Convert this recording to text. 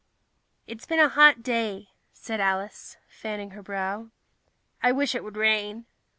"It's been a hot day," said Alice, fanning her brow. "I wish it would rain."